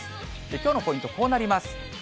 きょうのポイント、こうなります。